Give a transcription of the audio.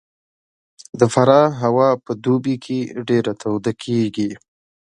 د فراه هوا په دوبي کې ډېره توده کېږي